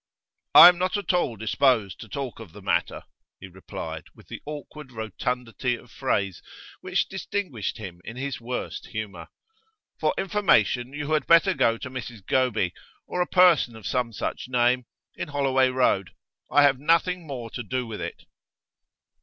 'I am not at all disposed to talk of the matter,' he replied, with the awkward rotundity of phrase which distinguished him in his worst humour. 'For information you had better go to Mrs Goby or a person of some such name in Holloway Road. I have nothing more to do with it.